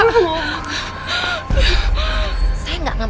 lu pasti sudah cakap